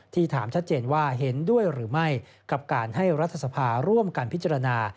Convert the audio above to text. ถามชัดเจนว่าเห็นด้วยหรือไม่กับการให้รัฐสภาร่วมกันพิจารณา